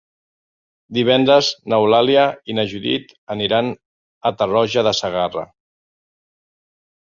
Divendres n'Eulàlia i na Judit aniran a Tarroja de Segarra.